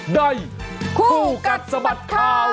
ในคู่กัดสะบัดข่าว